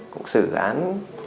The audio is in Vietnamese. cũng xử án